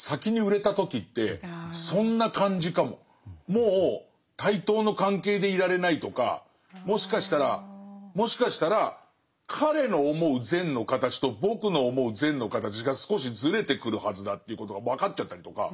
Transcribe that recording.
もう対等の関係でいられないとかもしかしたらもしかしたら彼の思う善の形と僕の思う善の形が少しずれてくるはずだということが分かっちゃったりとか。